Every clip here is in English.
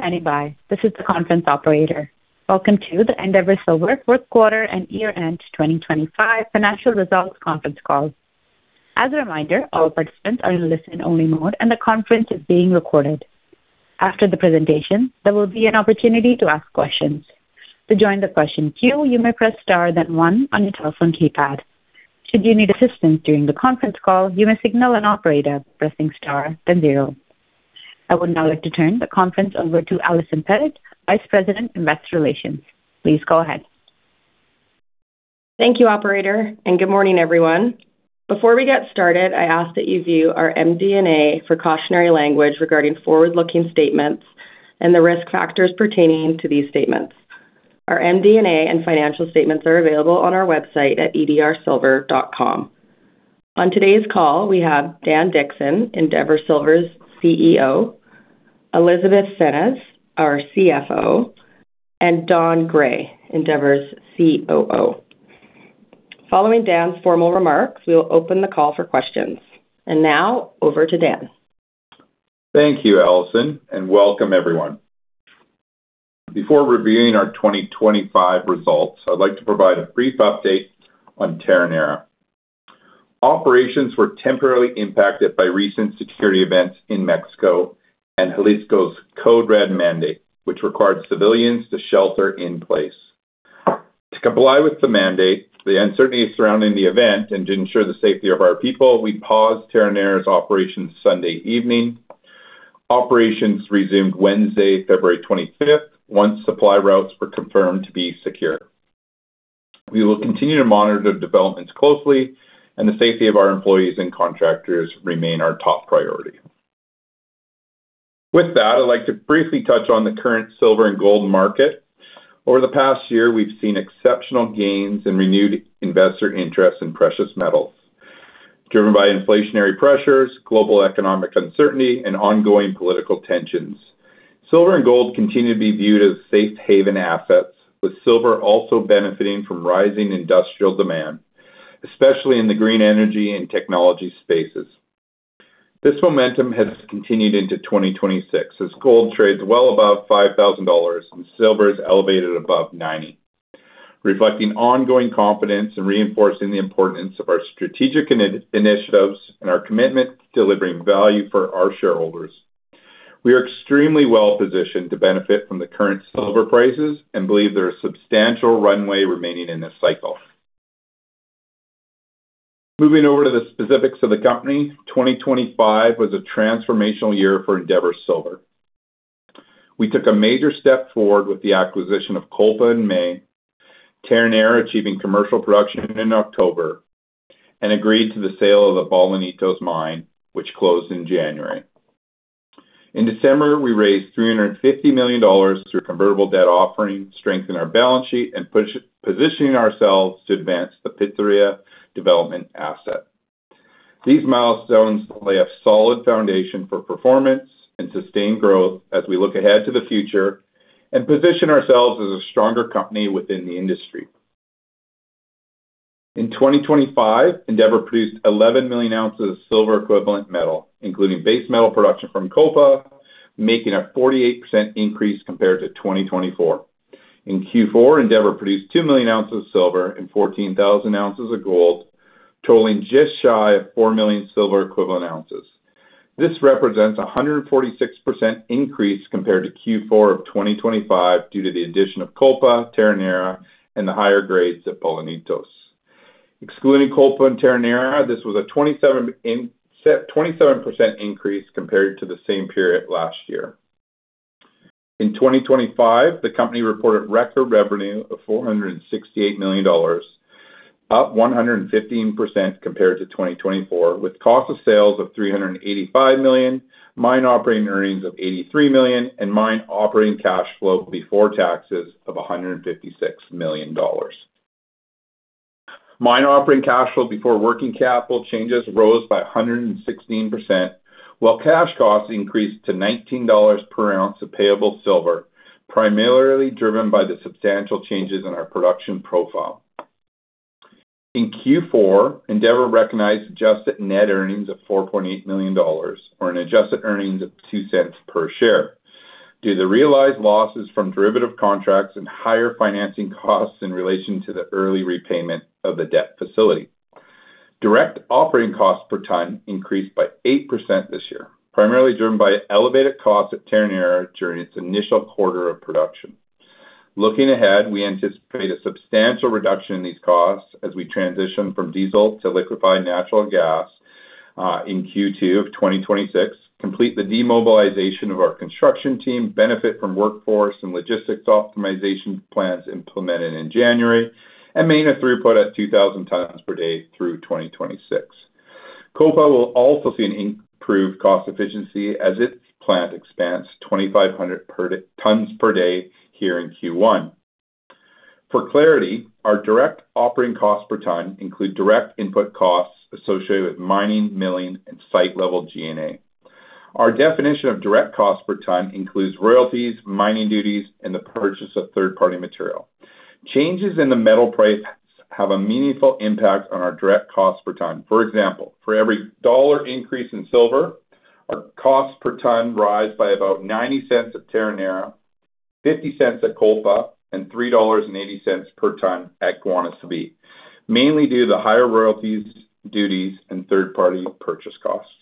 Standing by. This is the conference operator. Welcome to the Endeavour Silver fourth quarter and year-end 2025 financial results conference call. As a reminder, all participants are in listen-only mode, and the conference is being recorded. After the presentation, there will be an opportunity to ask questions. To join the question queue, you may press Star then one on your telephone keypad. Should you need assistance during the conference call, you may signal an operator pressing Star then 0. I would now like to turn the conference over to Allison Pettit, Vice President, Investor Relations. Please go ahead. Thank you, operator, and good morning, everyone. Before we get started, I ask that you view our MD&A for cautionary language regarding forward-looking statements and the risk factors pertaining to these statements. Our MD&A and financial statements are available on our website at edrsilver.com. On today's call, we have Dan Dickson, Endeavour Silver's CEO, Elizabeth Soralis, our CFO, and Don Gray, Endeavour's COO. Following Dan's formal remarks, we will open the call for questions. Now over to Dan. Thank you, Allison, and welcome everyone. Before reviewing our 2025 results, I'd like to provide a brief update on Terronera. Operations were temporarily impacted by recent security events in Mexico and Jalisco's Code Red mandate, which required civilians to shelter in place. To comply with the mandate, the uncertainty surrounding the event, and to ensure the safety of our people, we paused Terronera's operations Sunday evening. Operations resumed Wednesday, February 25th, once supply routes were confirmed to be secure. We will continue to monitor the developments closely, and the safety of our employees and contractors remain our top priority. With that, I'd like to briefly touch on the current silver and gold market. Over the past year, we've seen exceptional gains in renewed investor interest in precious metals, driven by inflationary pressures, global economic uncertainty, and ongoing political tensions. Silver and gold continue to be viewed as safe haven assets, with silver also benefiting from rising industrial demand, especially in the green energy and technology spaces. This momentum has continued into 2026 as gold trades well above $5,000 and silver is elevated above $90, reflecting ongoing confidence and reinforcing the importance of our strategic initiatives and our commitment to delivering value for our shareholders. We are extremely well-positioned to benefit from the current silver prices and believe there is substantial runway remaining in this cycle. Moving over to the specifics of the company, 2025 was a transformational year for Endeavour Silver. We took a major step forward with the acquisition of Kolpa in May, Terronera achieving commercial production in October, and agreed to the sale of the Bolanitos Mine, which closed in January. In December, we raised $350 million through a convertible debt offering, strengthening our balance sheet and positioning ourselves to advance the Pitarrilla development asset. These milestones lay a solid foundation for performance and sustained growth as we look ahead to the future and position ourselves as a stronger company within the industry. In 2025, Endeavour Silver produced 11 million ounces of silver equivalent metal, including base metal production from Kolpa, making a 48% increase compared to 2024. In Q4, Endeavour Silver produced 2 million ounces of silver and 14,000 ounces of gold, totaling just shy of 4 million silver equivalent ounces. This represents a 146% increase compared to Q4 of 2025 due to the addition of Kolpa, Terronera, and the higher grades at Bolanitos. Excluding Coba and Terronera, this was a 27% increase compared to the same period last year. In 2025, the company reported record revenue of $468 million, up 115% compared to 2024, with cost of sales of $385 million, mine operating earnings of $83 million, and mine operating cash flow before taxes of $156 million. Mine operating cash flow before working capital changes rose by 116%, while cash costs increased to $19 per ounce of payable silver, primarily driven by the substantial changes in our production profile. In Q4, Endeavour recognized adjusted net earnings of $4.8 million or an adjusted earnings of $0.02 per share. Due to realized losses from derivative contracts and higher financing costs in relation to the early repayment of the debt facility. Direct operating costs per ton increased by 8% this year, primarily driven by elevated costs at Terronera during its initial quarter of production. Looking ahead, we anticipate a substantial reduction in these costs as we transition from diesel to liquefied natural gas in Q2 of 2026, complete the demobilization of our construction team, benefit from workforce and logistics optimization plans implemented in January, and maintain a throughput at 2,000 tons per day through 2026. Kolpa will also see an improved cost efficiency as its plant expands 2,500 per day tons per day here in Q1. For clarity, our direct operating costs per ton include direct input costs associated with mining, milling, and site level G&A. Our definition of direct costs per ton includes royalties, mining duties, and the purchase of third-party material. Changes in the metal price have a meaningful impact on our direct cost per ton. For example, for every dollar increase in silver, our cost per ton rise by about $0.90 at Terronera, $0.50 at Kolpa, and $3.80 per ton at Guanaceví, mainly due to the higher royalties, duties, and third-party ore purchases, elevated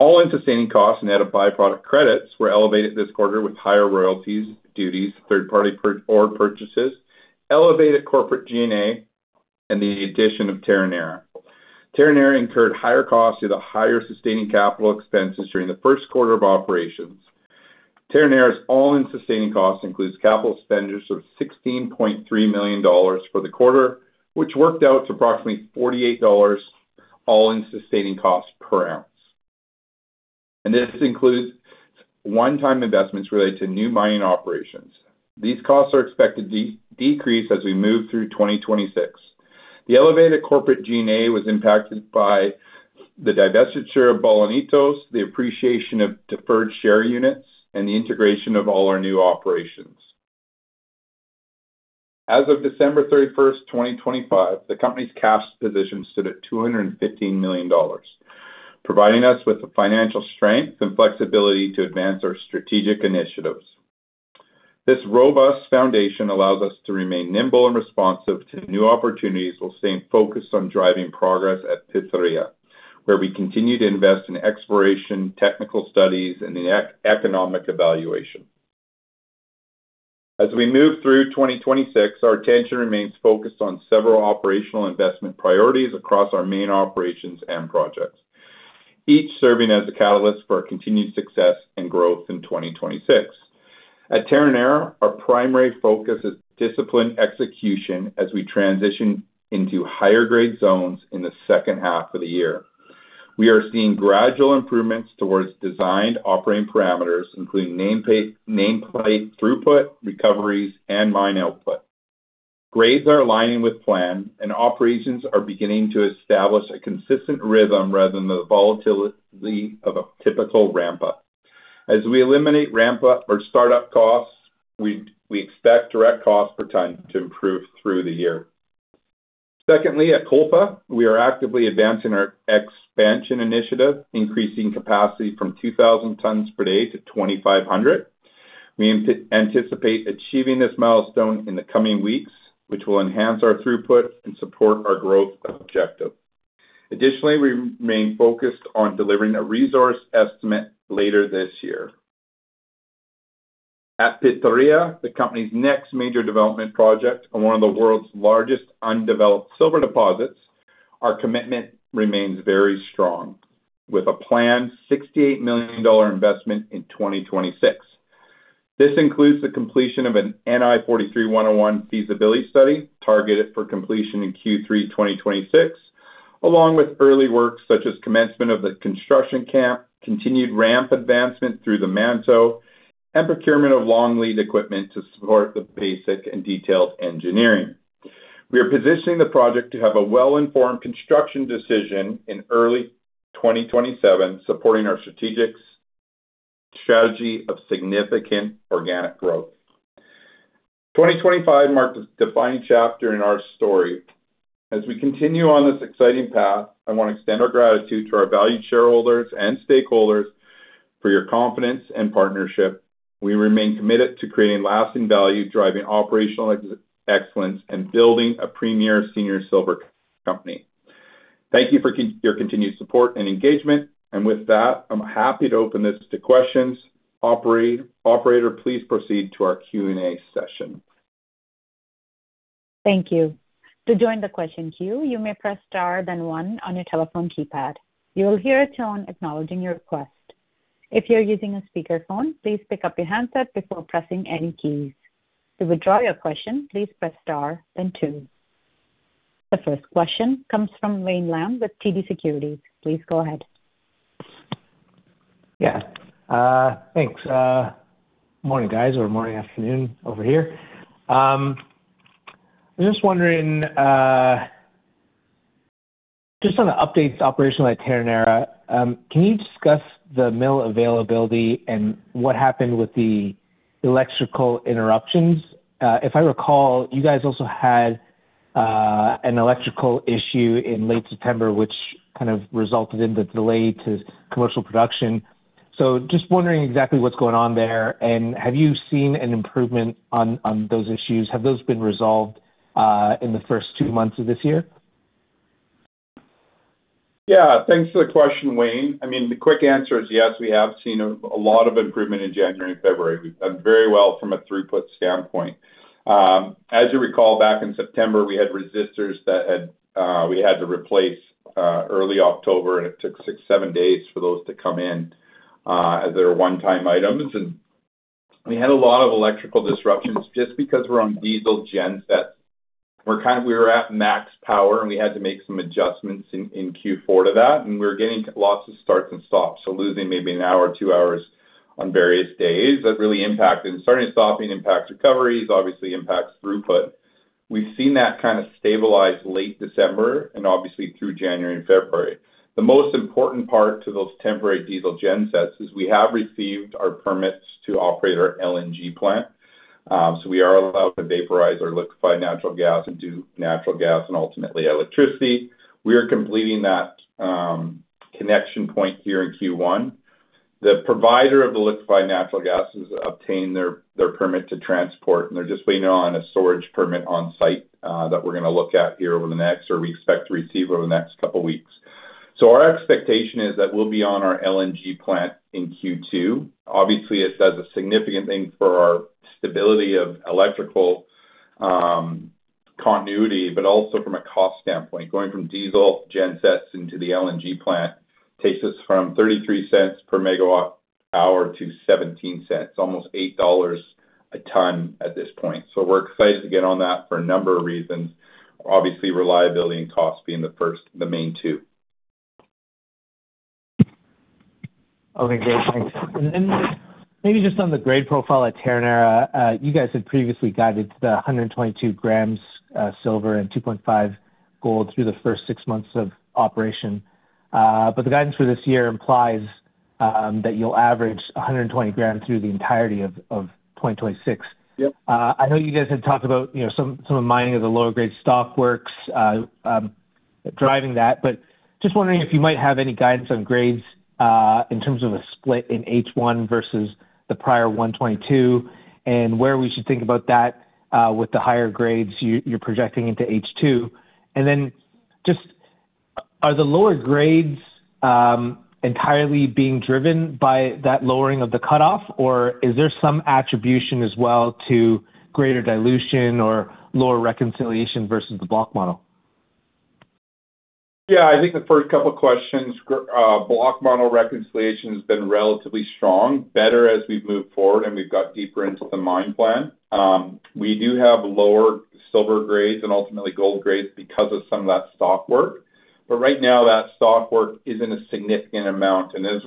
corporate G&A, and the addition of Terronera. All-in sustaining costs net of byproduct credits were elevated this quarter with higher royalties, duties, third-party ore purchases, elevated corporate G&A, and the addition of Terronera. Terronera incurred higher costs due to higher sustaining capital expenses during the first quarter of operations. Terronera's All-in sustaining cost includes capital expenditures of $16.3 million for the quarter, which worked out to approximately $48 All-in sustaining cost per ounce. This includes one-time investments related to new mining operations. These costs are expected to decrease as we move through 2026. The elevated corporate G&A was impacted by the divestiture of Bolanitos, the appreciation of deferred share units, and the integration of all our new operations. As of December 31st, 2025, the company's cash position stood at $215 million, providing us with the financial strength and flexibility to advance our strategic initiatives. This robust foundation allows us to remain nimble and responsive to new opportunities while staying focused on driving progress at Pitarrilla, where we continue to invest in exploration, technical studies, and the economic evaluation. As we move through 2026, our attention remains focused on several operational investment priorities across our main operations and projects, each serving as a catalyst for our continued success and growth in 2026. At Terronera, our primary focus is disciplined execution as we transition into higher grade zones in the second half of the year. We are seeing gradual improvements towards designed operating parameters, including nameplate throughput, recoveries, and mine output. Grades are aligning with plan. Operations are beginning to establish a consistent rhythm rather than the volatility of a typical ramp-up. As we eliminate ramp-up or start-up costs, we expect direct cost per ton to improve through the year. Secondly, at Kolpa, we are actively advancing our expansion initiative, increasing capacity from 2,000 tons per day to 2,500. We anticipate achieving this milestone in the coming weeks, which will enhance our throughput and support our growth objective. Additionally, we remain focused on delivering a resource estimate later this year. At Pitarrilla, the company's next major development project and one of the world's largest undeveloped silver deposits, our commitment remains very strong, with a planned $68 million investment in 2026. This includes the completion of an NI 43-101 feasibility study targeted for completion in Q3 2026, along with early work such as commencement of the construction camp, continued ramp advancement through the manto, and procurement of long lead equipment to support the basic and detailed engineering. We are positioning the project to have a well-informed construction decision in early 2027, supporting our strategic strategy of significant organic growth. 2025 marked a defining chapter in our story. As we continue on this exciting path, I want to extend our gratitude to our valued shareholders and stakeholders for your confidence and partnership. We remain committed to creating lasting value, driving operational excellence, and building a premier senior silver company. Thank you for your continued support and engagement. With that, I'm happy to open this to questions. Operator, please proceed to our Q&A session. Thank you. To join the question queue, you may press Star then 1 on your telephone keypad. You will hear a tone acknowledging your request. If you're using a speakerphone, please pick up your handset before pressing any keys. To withdraw your question, please press Star then two. The first question comes from Wayne Lam with TD Securities. Please go ahead. Yeah, thanks. Morning, guys, or morning, afternoon over here. I'm just wondering, just on the updates operational at Terronera, can you discuss the mill availability and what happened with the electrical interruptions? If I recall, you guys also had an electrical issue in late September, which kind of resulted in the delay to commercial production. Just wondering exactly what's going on there. Have you seen an improvement on those issues? Have those been resolved in the first two months of this year? Yeah. Thanks for the question, Wayne. I mean, the quick answer is yes, we have seen a lot of improvement in January and February. We've done very well from a throughput standpoint. As you recall, back in September, we had resistors that had to replace early October, and it took six days, seven days for those to come in as they were one-time items. We had a lot of electrical disruptions just because we're on diesel gen sets. We were at max power, and we had to make some adjustments in Q4 to that. We were getting lots of starts and stops. Losing maybe one hour or two hours on various days. Starting and stopping impacts recoveries, obviously impacts throughput. We've seen that kind of stabilize late December obviously through January and February. The most important part to those temporary diesel gen sets is we have received our permits to operate our LNG plant. We are allowed to vaporize our liquefied natural gas into natural gas and ultimately electricity. We are completing that connection point here in Q1. The provider of the liquefied natural gas has obtained their permit to transport, and they're just waiting on a storage permit on site, that we're gonna look at here or we expect to receive over the next couple weeks. Our expectation is that we'll be on our LNG plant in Q2. It does a significant thing for our stability of electrical continuity, but also from a cost standpoint. Going from diesel gen sets into the LNG plant takes us from $0.33 per MWh to $0.17, almost $8 a ton at this point. We're excited to get on that for a number of reasons. Obviously, reliability and cost being the main two. Okay, great. Thanks. Maybe just on the grade profile at Terronera, you guys had previously guided the 122 gm silver and 2.5 gold through the first 6 months of operation. The guidance for this year implies that you'll average 120 gm through the entirety of 2026. Yep. I know you guys had talked about, you know, some of mining of the lower grade stockworks driving that, but just wondering if you might have any guidance on grades in terms of a split in H1 versus the prior 2022, and where we should think about that with the higher grades you're projecting into H2. Then just are the lower grades entirely being driven by that lowering of the cutoff, or is there some attribution as well to greater dilution or lower reconciliation versus the block model? I think the first couple questions, block model reconciliation has been relatively strong, better as we've moved forward and we've got deeper into the mine plan. We do have lower silver grades and ultimately gold grades because of some of that stockwork. Right now, that stockwork isn't a significant amount. As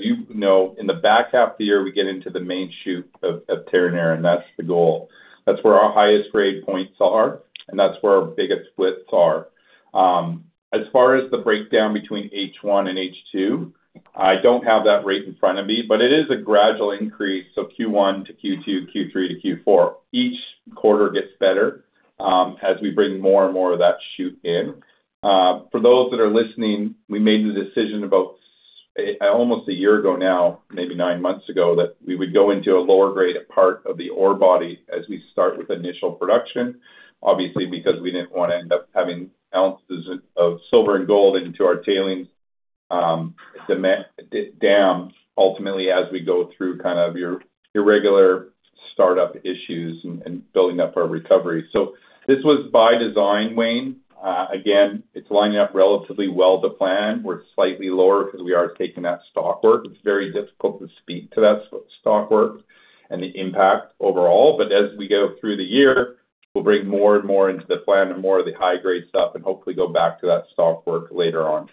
you know, in the back half of the year, we get into the main chute of Terronera, and that's the goal. That's where our highest grade points are, and that's where our biggest splits are. As far as the breakdown between H1 and H2, I don't have that rate in front of me, but it is a gradual increase, so Q1-Q2, Q3-Q4. Each quarter gets better, as we bring more and more of that chute in. For those that are listening, we made the decision about almost one year ago now, maybe nine months ago, that we would go into a lower grade part of the ore body as we start with initial production, obviously, because we didn't wanna end up having ounces of silver and gold into our tailings, dam, ultimately, as we go through kind of your irregular startup issues and building up our recovery. This was by design, Wayne. Again, it's lining up relatively well to plan. We're slightly lower because we are taking that stockwork. It's very difficult to speak to that stockwork and the impact overall. As we go through the year, we'll bring more and more into the plan and more of the high grade stuff and hopefully go back to that stockwork later on.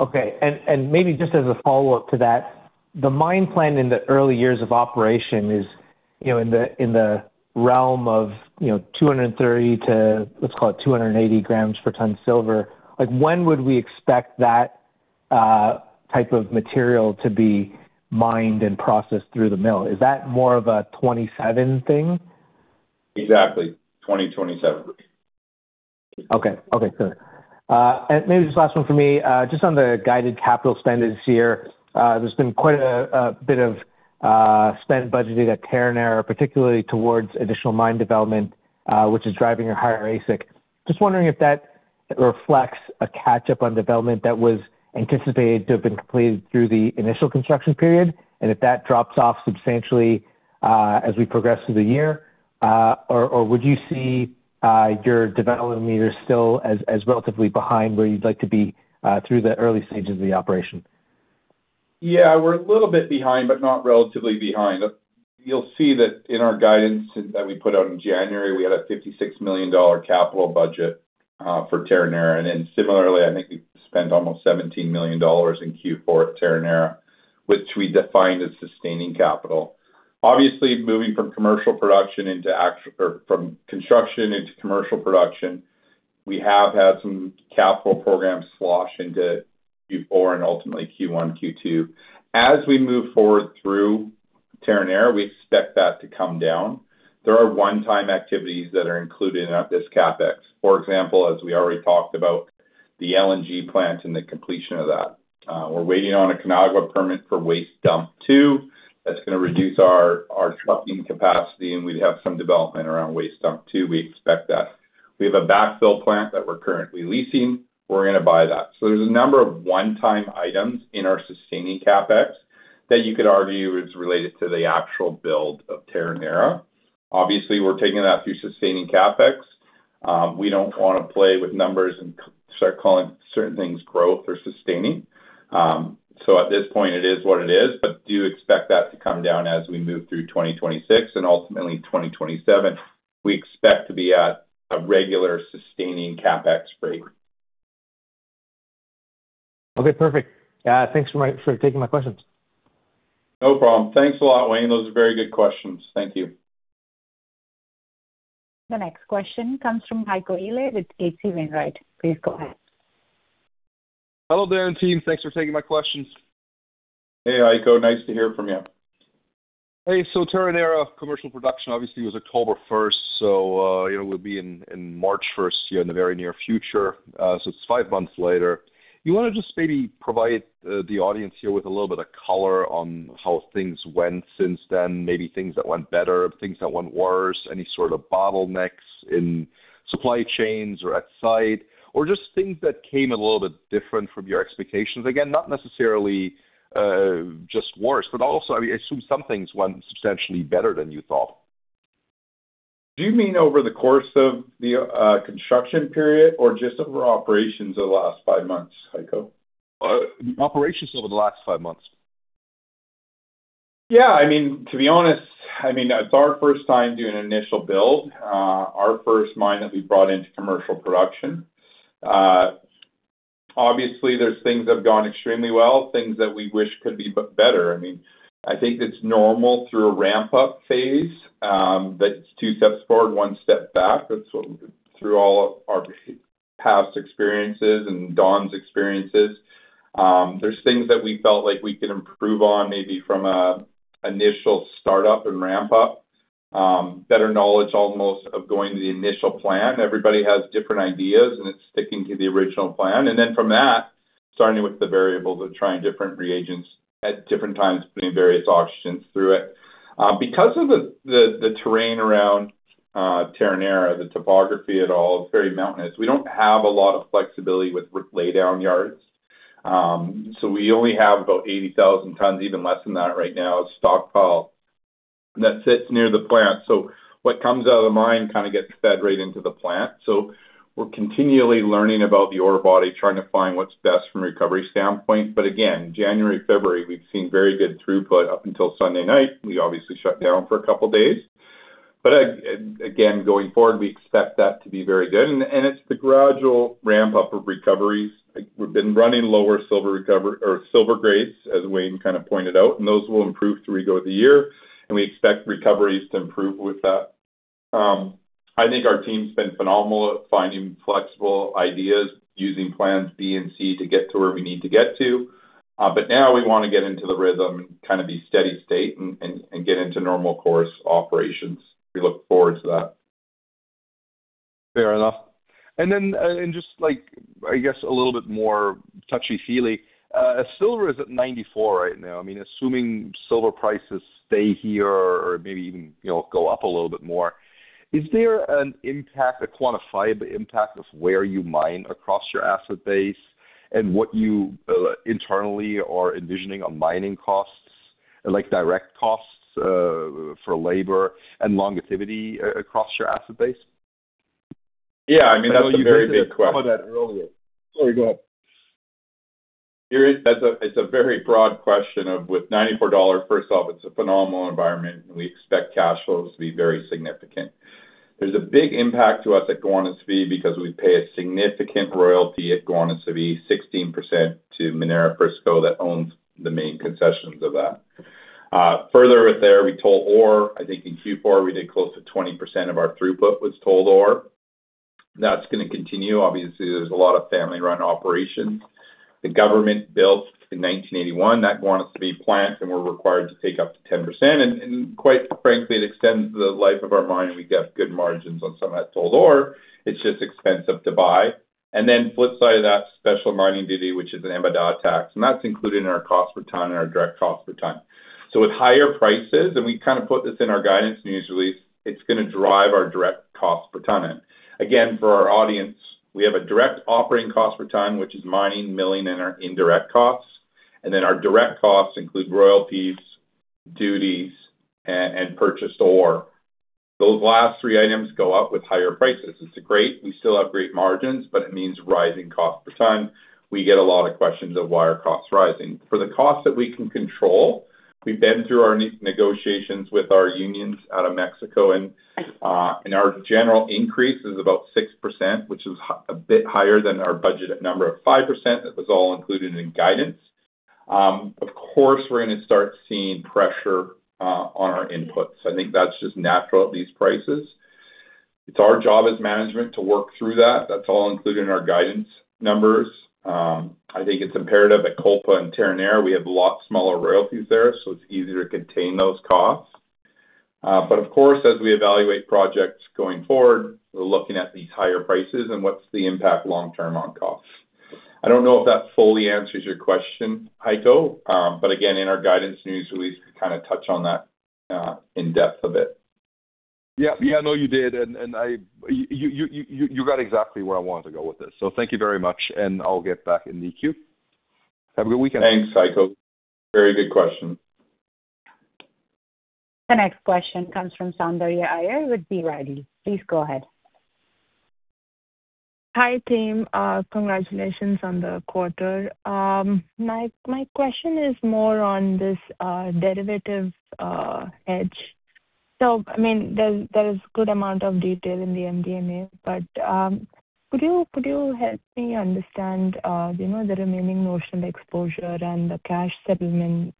Okay. maybe just as a follow-up to that, the mine plan in the early years of operation is, you know, in the, in the realm of, you know, 230 to, let's call it 280 grams per ton silver. Like, when would we expect that type of material to be mined and processed through the mill? Is that more of a 2027 thing? Exactly. 2027. Okay. Okay, good. Maybe just last one for me, just on the guided capital spend this year. There's been quite a bit of spend budgeted at Terronera, particularly towards additional mine development, which is driving your higher ASIC. Just wondering if that reflects a catch-up on development that was anticipated to have been completed through the initial construction period, and if that drops off substantially, as we progress through the year. Would you see your development meter still as relatively behind where you'd like to be, through the early stages of the operation? Yeah. We're a little bit behind, but not relatively behind. You'll see that in our guidance that we put out in January, we had a $56 million capital budget for Terronera. Similarly, I think we spent almost $17 million in Q4 at Terronera, which we defined as sustaining capital. Obviously, moving from commercial production into or from construction into commercial production, we have had some capital programs slosh into Q4 and ultimately Q1, Q2. As we move forward through Terronera, we expect that to come down. There are one-time activities that are included in this CapEx. For example, as we already talked about the LNG plant and the completion of that. We're waiting on a CONAGUA permit for waste dump two. That's gonna reduce our trucking capacity, and we'd have some development around waste dump 2. We expect that. We have a backfill plant that we're currently leasing. We're gonna buy that. There's a number of one-time items in our sustaining CapEx that you could argue is related to the actual build of Terronera. Obviously, we're taking that through sustaining CapEx. We don't wanna play with numbers and start calling certain things growth or sustaining. At this point, it is what it is, but do expect that to come down as we move through 2026 and ultimately, 2027. We expect to be at a regular sustaining CapEx rate. Okay, perfect. Thanks for taking my questions. No problem. Thanks a lot, Wayne. Those are very good questions. Thank you. The next question comes from Heiko Ihle with H.C. Wainwright. Please go ahead. Hello there, and team, thanks for taking my questions. Hey, Heiko. Nice to hear from you. Hey, Terronera commercial production obviously was October 1st, you know, we'll be in March 1st here in the very near future, it's five months later. You want to just maybe provide the audience here with a little bit of color on how things went since then, maybe things that went better, things that went worse, any sort of bottlenecks in supply chains or at site, or just things that came a little bit different from your expectations? Again, not necessarily just worse, but also, I mean, I assume some things went substantially better than you thought. Do you mean over the course of the construction period, or just over operations of the last five months, Heiko? Operations over the last 5 months. I mean, to be honest, I mean, it's our first time doing an initial build, our first mine that we brought into commercial production. Obviously, there's things that have gone extremely well, things that we wish could be better. I mean, I think it's normal through a ramp-up phase, that it's two steps forward, one step back. That's what through all of our past experiences and Don's experiences. There's things that we felt like we could improve on maybe from a initial startup and ramp-up, better knowledge almost of going to the initial plan. Everybody has different ideas, it's sticking to the original plan. From that, starting with the variables of trying different reagents at different times, putting various oxygens through it. Because of the terrain around Terronera, the topography at all, it's very mountainous. We don't have a lot of flexibility with laydown yards. We only have about 80,000 tons, even less than that right now, stockpile that sits near the plant. What comes out of the mine kinda gets fed right into the plant. We're continually learning about the ore body, trying to find what's best from a recovery standpoint. Again, January, February, we've seen very good throughput up until Sunday night. We obviously shut down for a couple days. Again, going forward, we expect that to be very good. And it's the gradual ramp-up of recoveries. We've been running lower silver or silver grades, as Wayne kind of pointed out, and those will improve through the year, and we expect recoveries to improve with that. I think our team's been phenomenal at finding flexible ideas using plans B and C to get to where we need to get to. Now we wanna get into the rhythm and kind of be steady state and get into normal course operations. We look forward to that. Fair enough. Just, like, I guess a little bit more touchy-feely, as silver is at $94 right now, I mean, assuming silver prices stay here or maybe even, you know, go up a little bit more, is there an impact, a quantifiable impact of where you mine across your asset base and what you, internally are envisioning on mining costs, like direct costs, for labor and longevity across your asset base? Yeah. I mean, that's a very big question. You hinted at some of that earlier. Sorry, go ahead. That's a very broad question of with $94, first off, it's a phenomenal environment, and we expect cash flows to be very significant. There's a big impact to us at Guanaceví because we pay a significant royalty at Guanaceví, 16% to Minera Frisco that owns the main concessions of that. Further with there, we toll ore. I think in Q4, we did close to 20% of our throughput was tolled ore. That's gonna continue. Obviously, there's a lot of family-run operations. The government built in 1981, that Guanaceví plant, and we're required to take up to 10%. Quite frankly, it extends the life of our mine. We get good margins on some of that tolled ore. It's just expensive to buy. Flip side of that, Special Mining Duty, which is an EBITDA tax, and that's included in our cost per ton and our direct cost per ton. With higher prices, and we kind of put this in our guidance news release, it's gonna drive our direct cost per ton in. Again, for our audience, we have a direct operating cost per ton, which is mining, milling, and our indirect costs. Our direct costs include royalties, duties, and purchased ore. Those last three items go up with higher prices. We still have great margins, but it means rising cost per ton. We get a lot of questions of why are costs rising. For the costs that we can control, we've been through our negotiations with our unions out of Mexico and our general increase is about 6%, which is a bit higher than our budgeted number of 5%. That was all included in guidance. Of course, we're gonna start seeing pressure on our inputs. I think that's just natural at these prices. It's our job as management to work through that. That's all included in our guidance numbers. I think it's imperative at Kolpa and Terronera, we have a lot smaller royalties there, so it's easier to contain those costs. Of course, as we evaluate projects going forward, we're looking at these higher prices and what's the impact long term on costs. I don't know if that fully answers your question, Heiko, but again, in our guidance news release, we kinda touch on that, in depth a bit. Yeah. Yeah. No, you did. You got exactly where I wanted to go with this. Thank you very much. I'll get back in the queue. Have a good weekend. Thanks, Heiko. Very good question. The next question comes from Soundarya Iyer with B. Riley. Please go ahead. Hi, team. Congratulations on the quarter. My question is more on this derivative hedge. I mean, there is good amount of detail in the MD&A, but, could you help me understand, you know, the remaining notional exposure and the cash settlement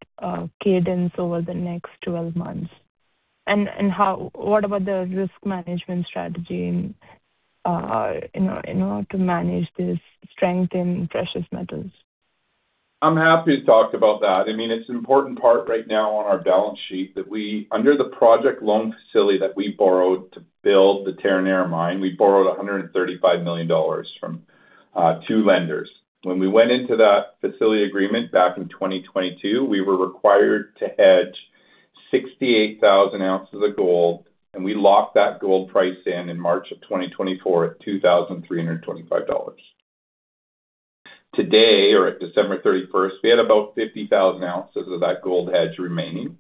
cadence over the next 12 months? What about the risk management strategy in order to manage this strength in precious metals? I'm happy to talk about that. I mean, it's an important part right now on our balance sheet that under the project loan facility that we borrowed to build the Terronera mine, we borrowed $135 million from two lenders. When we went into that facility agreement back in 2022, we were required to hedge 68,000 ounces of gold, and we locked that gold price in March of 2024 at $2,325. Today, or at December 31st, we had about 50,000 ounces of that gold hedge remaining.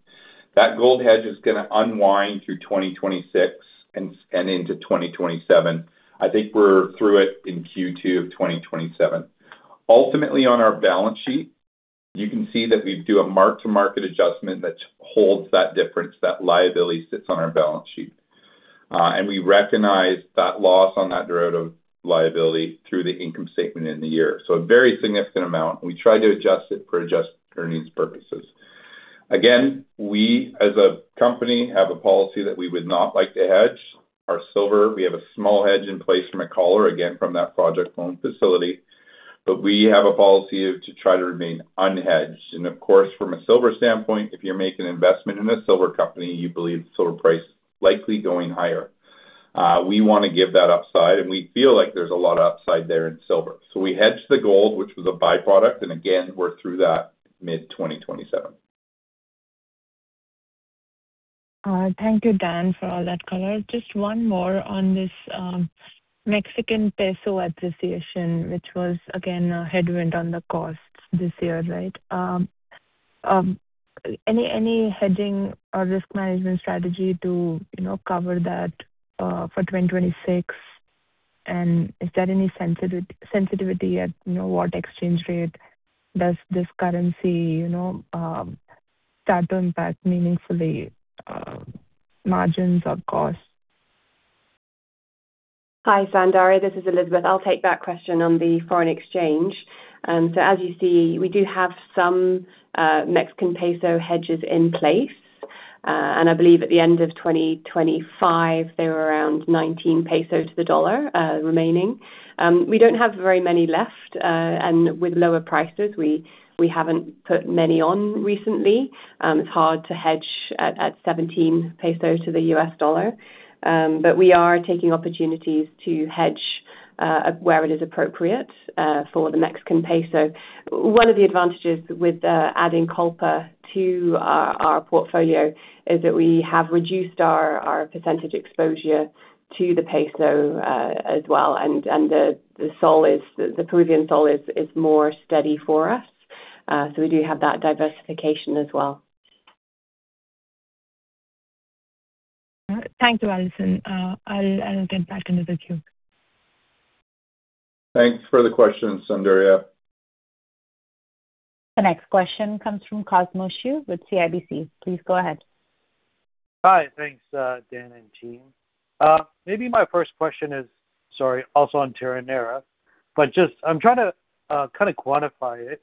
That gold hedge is gonna unwind through 2026 and into 2027. I think we're through it in Q2 of 2027. Ultimately, on our balance sheet, you can see that we do a mark-to-market adjustment that holds that difference. That liability sits on our balance sheet. We recognize that loss on that derivative liability through the income statement in the year. A very significant amount, and we try to adjust it for adjusted earnings purposes. Again, we, as a company, have a policy that we would not like to hedge our silver. We have a small hedge in place from a collar, again from that project loan facility. We have a policy to try to remain unhedged. Of course, from a silver standpoint, if you're making an investment in a silver company, you believe silver price likely going higher. We wanna give that upside, and we feel like there's a lot of upside there in silver. We hedge the gold, which was a by-product, and again, we're through that mid 2027. Thank you, Dan, for all that color. Just one more on this Mexican peso appreciation, which was again a headwind on the costs this year, right? Any hedging or risk management strategy to, you know, cover that for 2026? Is there any sensitivity at, you know, what exchange rate does this currency, you know, start to impact meaningfully, margins or costs? Hi, Soundarya, this is Elizabeth. I'll take that question on the foreign exchange. As you see, we do have some Mexican peso hedges in place. I believe at the end of 2025, there were around 19 peso to the dollar remaining. We don't have very many left, and with lower prices, we haven't put many on recently. It's hard to hedge at 17 peso to the U.S. dollar. We are taking opportunities to hedge where it is appropriate for the Mexican peso. One of the advantages with adding Kolpa to our portfolio is that we have reduced our percentage exposure to the peso as well. The Peruvian sol is more steady for us. We do have that diversification as well. Thank you, Allison. I'll get back into the queue. Thanks for the question, Soundarya Iyer. The next question comes from Cosmos Chiu with CIBC. Please go ahead. Hi. Thanks, Dan and team. Maybe my first question is, sorry, also on Terronera, but just I'm trying to kind of quantify it.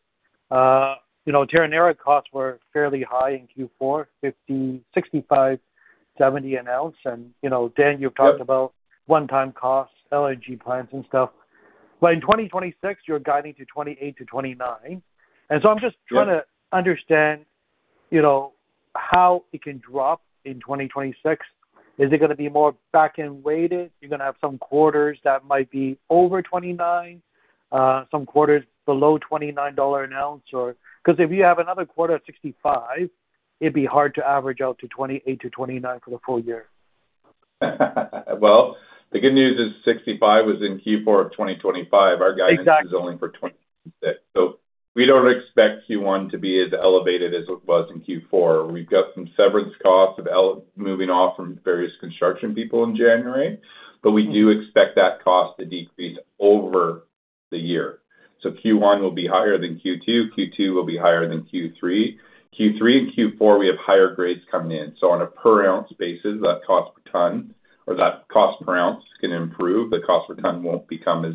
You know, Terronera costs were fairly high in Q4, $50, $65, $70 an ounce. You know, Dan, you've talked about one-time costs, LNG plants and stuff. In 2026, you're guiding to $28-$29. I'm just trying to understand, you know, how it can drop in 2026. Is it gonna be more back-end weighted? You're gonna have some quarters that might be over $29, some quarters below $29 an ounce? If you have another quarter of $65, it'd be hard to average out to $28-$29 for the full year. Well, the good news is 65 was in Q4 of 2025. Exactly. Our guidance is only for 2026. We don't expect Q1 to be as elevated as it was in Q4. We've got some severance costs of moving off from various construction people in January, but we do expect that cost to decrease over the year. Q1 will be higher than Q2. Q2 will be higher than Q3. Q3 and Q4, we have higher grades coming in. On a per ounce basis, that cost per ton or that cost per ounce is gonna improve. The cost per ton won't become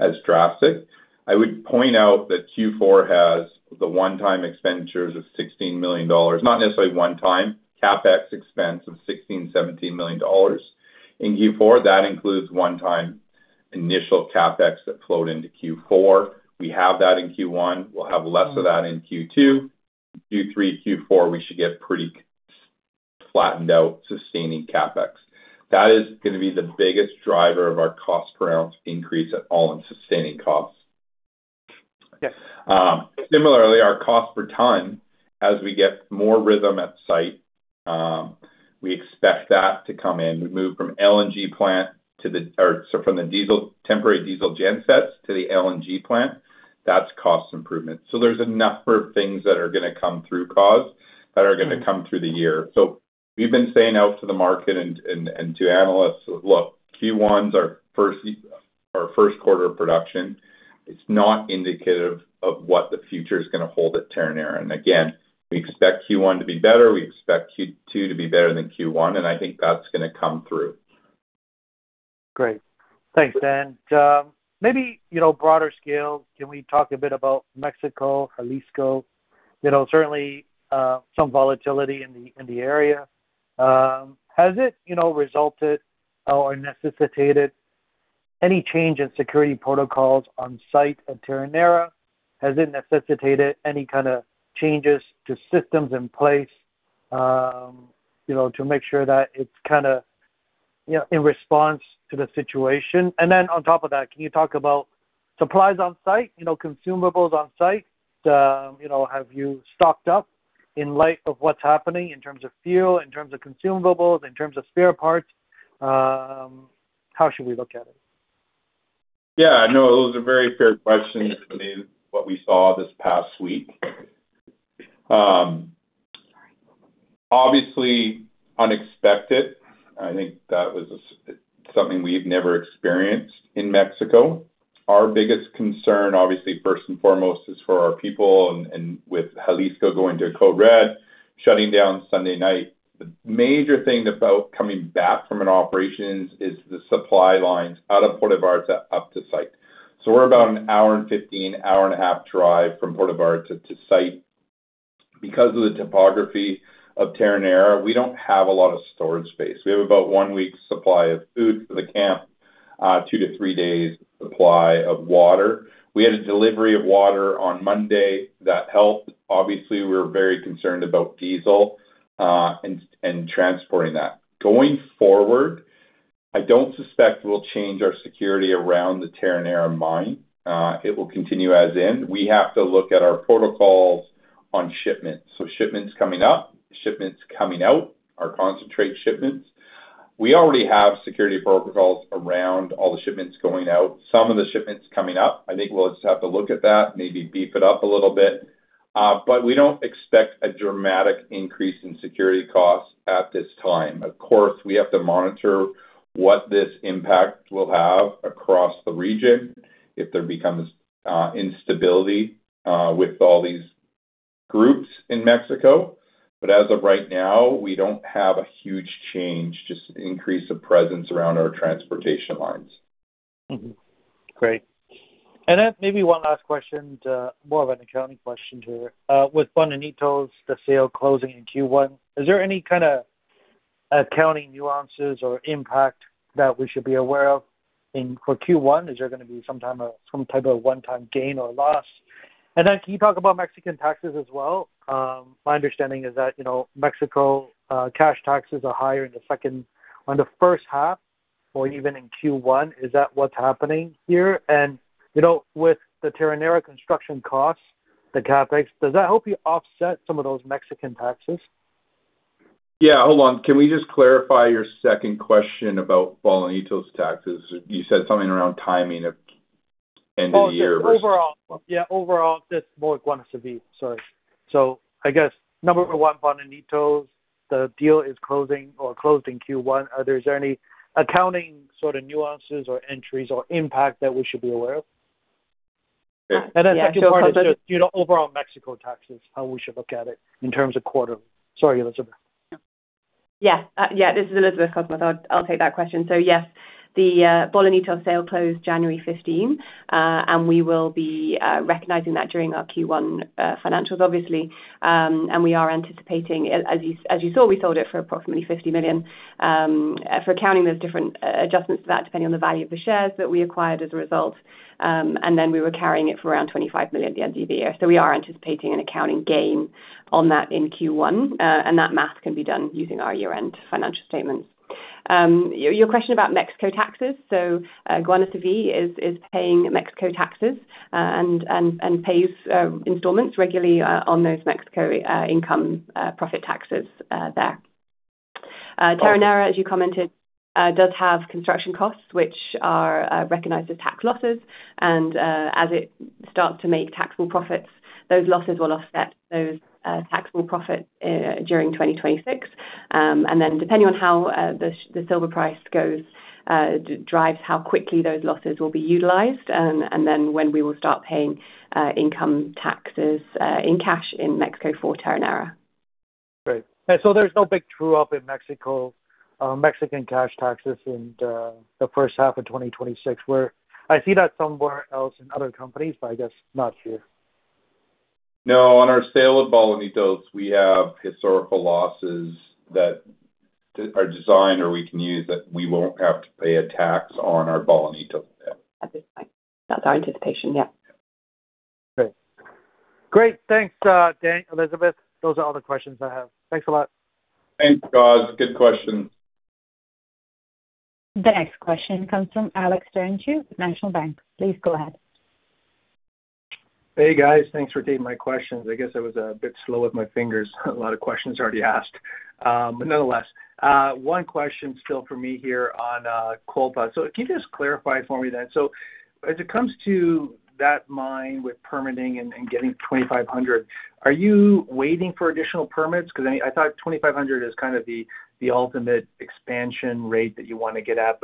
as drastic. I would point out that Q4 has the one-time expenditures of $16 million. Not necessarily one time, CapEx expense of $16 million-$17 million. In Q4, that includes one-time initial CapEx that flowed into Q4. We have that in Q1. We'll have less of that in Q2. Q3, Q4, we should get pretty flattened out sustaining CapEx. That is gonna be the biggest driver of our cost per ounce increase at All-in sustaining costs. Yes. Similarly, our cost per ton, as we get more rhythm at site, we expect that to come in. We move from the temporary diesel gen sets to the LNG plant. That's cost improvement. There's a number of things that are gonna come through cost that are gonna come through the year. We've been saying out to the market and to analysts, "Look, Q1's our first quarter production, it's not indicative of what the future is gonna hold at Terronera." Again, we expect Q1 to be better, we expect Q2 to be better than Q1, and I think that's gonna come through. Great. Thanks. Maybe, you know, broader scale, can we talk a bit about Mexico, Jalisco? You know, certainly, some volatility in the area. Has it, you know, resulted or necessitated any change in security protocols on site at Terronera? Has it necessitated any kinda changes to systems in place, you know, to make sure that it's kinda, you know, in response to the situation? Then on top of that, can you talk about supplies on site, you know, consumables on site? You know, have you stocked up in light of what's happening in terms of fuel, in terms of consumables, in terms of spare parts? How should we look at it? No, it was a very fair question, considering what we saw this past week. Obviously unexpected. I think that was something we've never experienced in Mexico. Our biggest concern, obviously, first and foremost, is for our people and with Jalisco going to Code Red, shutting down Sunday night. The major thing about coming back from an operations is the supply lines out of Puerto Vallarta up to site. We're about an hour and 15, an hour and a half drive from Puerto Vallarta to site. Because of the topography of Terronera, we don't have a lot of storage space. We have about one week's supply of food for the camp, two to three days supply of water. We had a delivery of water on Monday that helped. Obviously, we're very concerned about diesel, and transporting that. Going forward, I don't suspect we'll change our security around the Terronera mine. It will continue as is. We have to look at our protocols on shipments. Shipments coming up, shipments coming out, our concentrate shipments. We already have security protocols around all the shipments going out. Some of the shipments coming up, I think we'll just have to look at that, maybe beef it up a little bit. We don't expect a dramatic increase in security costs at this time. Of course, we have to monitor what this impact will have across the region if there becomes instability with all these groups in Mexico. As of right now, we don't have a huge change, just an increase of presence around our transportation lines. Mm-hmm. Great. Then maybe one last question, more of an accounting question here. With Bolanitos, the sale closing in Q1, is there any kinda accounting nuances or impact that we should be aware of for Q1? Is there gonna be some type of one-time gain or loss? Then can you talk about Mexican taxes as well? My understanding is that, you know, Mexico, cash taxes are higher on the first half or even in Q1. Is that what's happening here? You know, with the Terronera construction costs, the CapEx, does that help you offset some of those Mexican taxes? Yeah. Hold on. Can we just clarify your second question about Bolanitos taxes? You said something around timing of end of the year versus... Oh, yeah, overall. Yeah, overall, just more like Guanaceví. Sorry. I guess, number one, Bolanitos, the deal is closing or closed in Q1. Is there any accounting sort of nuances or entries or impact that we should be aware of? Yeah. Second part is just, you know, overall Mexico taxes, how we should look at it in terms of quarterly. Sorry, Elizabeth. Yeah, this is Elizabeth Soralis. I'll take that question. Yes, the Bolanitos sale closed January 15. And we will be recognizing that during our Q1 financials, obviously. And we are anticipating, as you saw, we sold it for approximately $50 million. For accounting, there's different adjustments to that, depending on the value of the shares that we acquired as a result. And then we were carrying it for around $25 million at the end of the year. We are anticipating an accounting gain on that in Q1. And that math can be done using our year-end financial statements. Your question about Mexico taxes. Guanaceví is paying Mexico taxes and pays installments regularly on those Mexico income profit taxes there. Terronera, as you commented, does have construction costs, which are recognized as tax losses. As it starts to make taxable profits, those losses will offset those taxable profits during 2026. Depending on how the silver price goes, drives how quickly those losses will be utilized, when we will start paying income taxes in cash in Mexico for Terronera. Great. There's no big true up in Mexico, Mexican cash taxes in the first half of 2026, where I see that somewhere else in other companies, but I guess not here. No. On our sale of Bolanitos, we have historical losses that are designed or we can use that we won't have to pay a tax on our Bolanitos debt. At this point. That's our anticipation, yeah. Great. Great. Thanks, Dan, Elizabeth. Those are all the questions I have. Thanks a lot. Thanks, Oz. Good questions. The next question comes from Alex Terentiew with National Bank. Please go ahead. Hey, guys. Thanks for taking my questions. I guess I was a bit slow with my fingers. A lot of questions already asked. Nonetheless, one question still for me here on Kolpa. Can you just clarify for me then, as it comes to that mine with permitting and getting 2,500, are you waiting for additional permits? Cause I thought 2,500 is kind of the ultimate expansion rate that you wanna get at.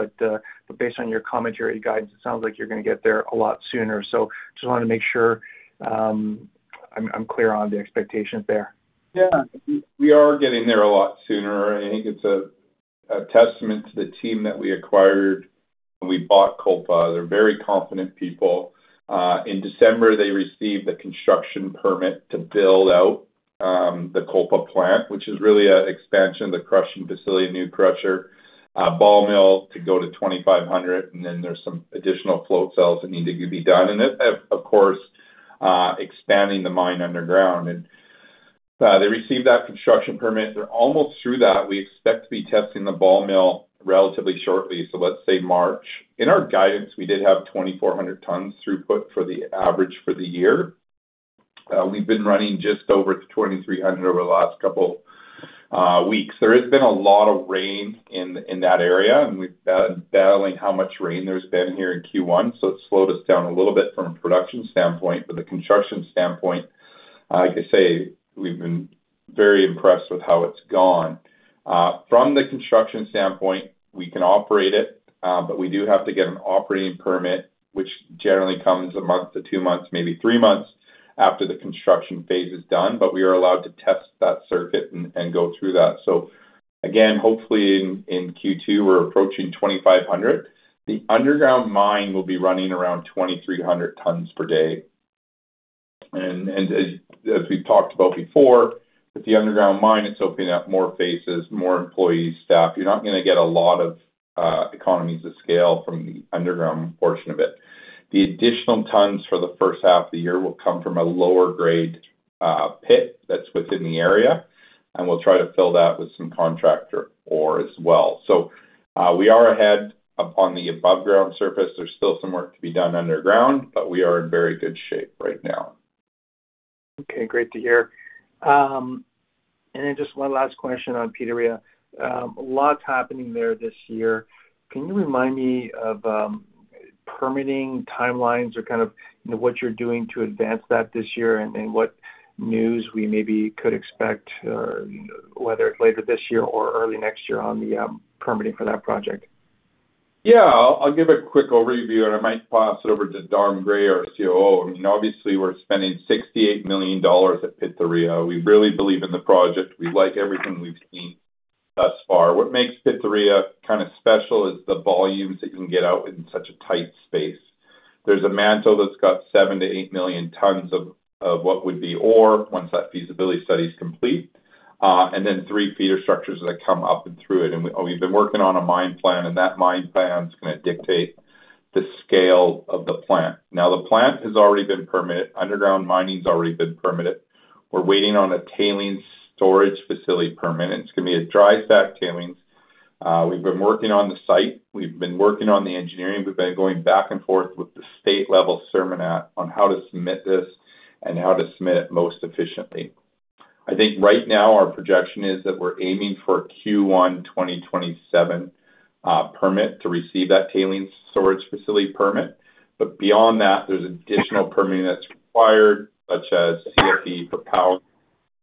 Based on your commentary guides, it sounds like you're gonna get there a lot sooner. Just wanted to make sure I'm clear on the expectations there. Yeah. We are getting there a lot sooner. I think it's a testament to the team that we acquired when we bought Kolpa. They're very confident people. In December, they received the construction permit to build out the Kolpa plant, which is really a expansion, the crushing facility, new crusher, ball mill to go to 2,500, then there's some additional flotation cells that need to be done. It, of course, expanding the mine underground. They received that construction permit. They're almost through that. We expect to be testing the ball mill relatively shortly, so let's say March. In our guidance, we did have 2,400 tons throughput for the average for the year. We've been running just over 2,300 over the last couple weeks. There has been a lot of rain in that area, and we've battling how much rain there's been here in Q1, so it slowed us down a little bit from a production standpoint. The construction standpoint, like I say, we've been very impressed with how it's gone. From the construction standpoint, we can operate it, but we do have to get an operating permit, which generally comes a month to two months, maybe three months after the construction phase is done. We are allowed to test that circuit and go through that. Again, hopefully in Q2, we're approaching 2,500. The underground mine will be running around 2,300 tons per day. As we've talked about before, with the underground mine, it's opening up more faces, more employees, staff. You're not gonna get a lot of economies of scale from the underground portion of it. The additional tons for the first half of the year will come from a lower grade pit that's within the area, and we'll try to fill that with some contractor ore as well. We are ahead upon the above ground surface. There's still some work to be done underground, we are in very good shape right now. Okay. Great to hear. Just one last question on Pitarrilla. A lot's happening there this year. Can you remind me of permitting timelines or kind of, you know, what you're doing to advance that this year and what news we maybe could expect, whether it's later this year or early next year on the permitting for that project? Yeah. I'll give a quick overview, and I might pass it over to Donald Gray, our COO. I mean, obviously we're spending $68 million at Pitarrilla. We really believe in the project. We like everything we've seen thus far. What makes Pitarrilla kinda special is the volumes that you can get out in such a tight space. There's a manto that's got 7 to 8 million tons of what would be ore once that feasibility study is complete, and then three feeder structures that come up and through it. We've been working on a mine plan, and that mine plan's gonna dictate the scale of the plant. Now, the plant has already been permitted. Underground mining's already been permitted. We're waiting on a tailings storage facility permit. It's gonna be a dry stack tailings. We've been working on the site. We've been working on the engineering. We've been going back and forth with the state level SEMARNAT on how to submit this and how to submit it most efficiently. I think right now our projection is that we're aiming for a Q1 2027 permit to receive that tailings storage facility permit. Beyond that, there's additional permitting that's required, such as CFE for power,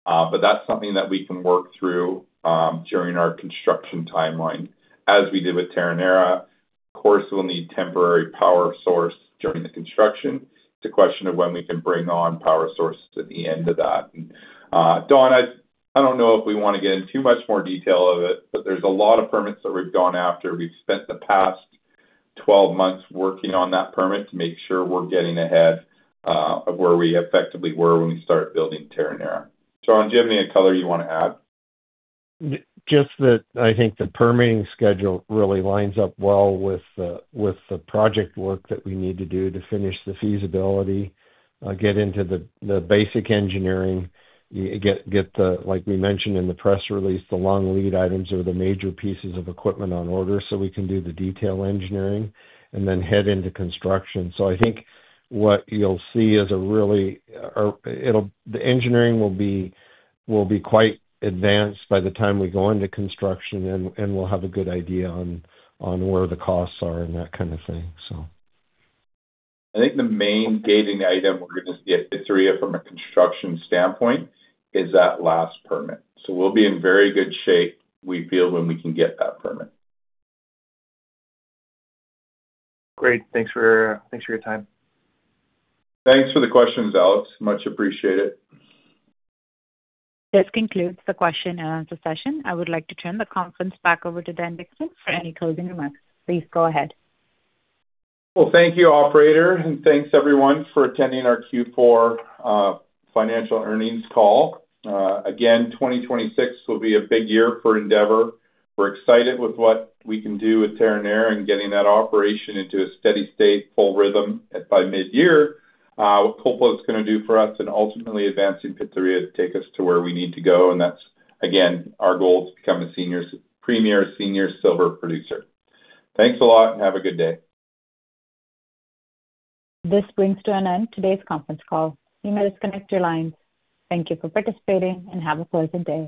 but that's something that we can work through during our construction timeline, as we did with Terronera. Of course, we'll need temporary power source during the construction. It's a question of when we can bring on power sources at the end of that. Don, I don't know if we wanna get in too much more detail of it, but there's a lot of permits that we've gone after. We've spent the past 12 months working on that permit to make sure we're getting ahead of where we effectively were when we started building Terronera. Don, do you have any color you wanna add? Just that I think the permitting schedule really lines up well with the, with the project work that we need to do to finish the feasibility, get into the basic engineering, get the, like we mentioned in the press release, the long lead items or the major pieces of equipment on order so we can do the detail engineering and then head into construction. I think what you'll see is the engineering will be quite advanced by the time we go into construction, and we'll have a good idea on where the costs are and that kind of thing. I think the main gating item we're gonna get at Pitarrilla from a construction standpoint is that last permit. We'll be in very good shape, we feel, when we can get that permit. Great. Thanks for your time. Thanks for the questions, Alex. Much appreciated. This concludes the question and answer session. I would like to turn the conference back over to Dan Dickson for any closing remarks. Please go ahead. Well, thank you, operator, and thanks everyone for attending our Q4 financial earnings call. Again, 2026 will be a big year for Endeavour. We're excited with what we can do with Terronera and getting that operation into a steady state, full rhythm by midyear. What Kolpa is gonna do for us and ultimately advancing Pitarrilla to take us to where we need to go, and that's, again, our goal to become a premier senior silver producer. Thanks a lot and have a good day. This brings to an end today's conference call. You may disconnect your lines. Thank you for participating, and have a pleasant day.